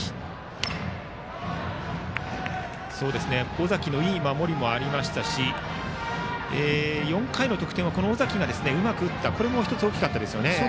尾崎のいい守りもありましたし４回の得点は尾崎がうまく打ったことが大きかったですね。